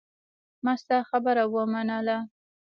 ما ستا خبره ومنله.